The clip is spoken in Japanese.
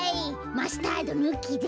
マスタードぬきで。